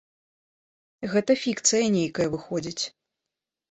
Гэта фікцыя нейкая выходзіць.